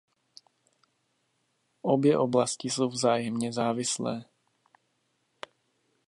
Obě oblasti jsou vzájemně závislé.